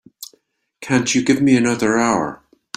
Can't you give me another hour?